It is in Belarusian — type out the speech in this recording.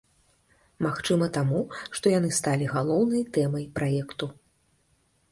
Магчыма таму, што яны сталі галоўнай тэмай праекту.